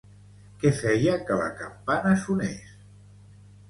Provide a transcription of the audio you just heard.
Què feia que la campana sonés?